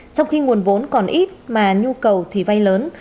trong khi nguồn vốn còn ít mà nhu cầu thì vay lớn